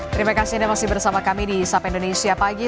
terima kasih anda masih bersama kami di sapa indonesia pagi